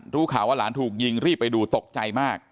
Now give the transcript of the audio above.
รู้ข่าวว่าหลานถูกยิงรีบไปดูตกใจมาก